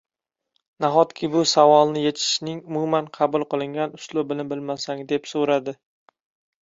“Nahotki bu savolni yechishning umum qabul qilingan uslubini bilmasang?!” deb soʻradi.